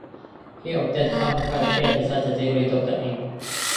He obtained after five years research the degree Doctor Ing.